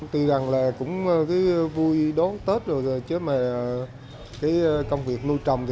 tuy rằng là cũng vui đón tết rồi chứ mà công việc nuôi trồng